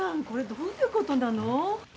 これどういうことなの？